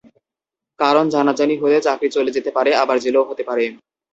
কারণ, জানাজানি হলে চাকরি চলে যেতে পারে, আবার জেলও হতে পারে।